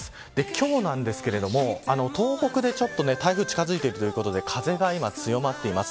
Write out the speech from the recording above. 今日なんですが、東北で台風が近づいているということで風が強まっています。